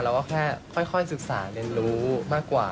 เราก็แค่ค่อยศึกษาเรียนรู้มากกว่า